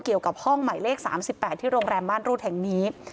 เกี่ยวกับห้องใหม่เลขสามสิบแปดที่โรงแรมบ้านรุนแห่งนี้